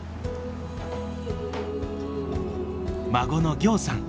孫の堯さん。